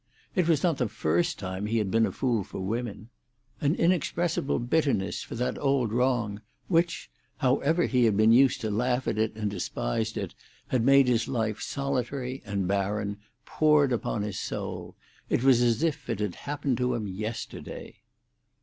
It was not the first time he had been a fool for women. An inexpressible bitterness for that old wrong, which, however he had been used to laugh at it and despise it, had made his life solitary and barren, poured upon his soul; it was as if it had happened to him yesterday.